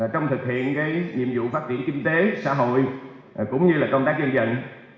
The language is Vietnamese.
trong thực hiện nhiệm vụ phát triển kinh tế xã hội cũng như là công tác dân dân